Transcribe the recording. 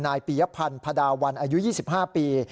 นายปียพันธุ์พระดาวันอายุ๒๕ปี